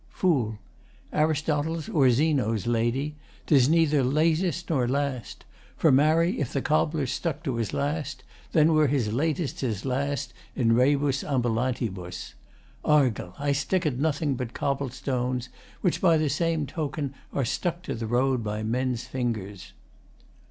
FOOL Aristotle's or Zeno's, Lady 'tis neither latest nor last. For, marry, if the cobbler stuck to his last, then were his latest his last in rebus ambulantibus. Argal, I stick at nothing but cobble stones, which, by the same token, are stuck to the road by men's fingers.